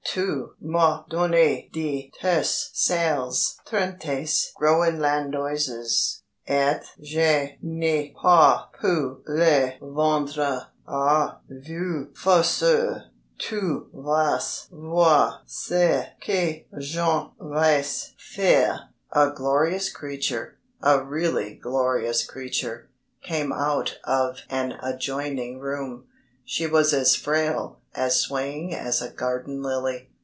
Tu m'as donné de tes sales rentes Groenlandoises, et je n'ai pas pu les vendre. Ah, vieux farceur, tu vas voir ce que j'en vais faire._" A glorious creature a really glorious creature came out of an adjoining room. She was as frail, as swaying as a garden lily.